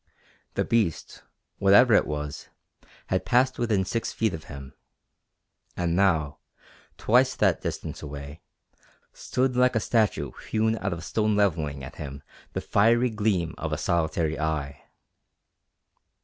The beast, whatever it was, had passed within six feet of him, and now, twice that distance away, stood like a statue hewn out of stone levelling at him the fiery gleam of a solitary eye.